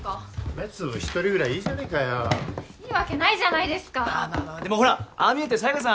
豆粒１人ぐらいいいじゃねえかよいいわけないじゃないですかまあまあでもほらああ見えて犀賀さん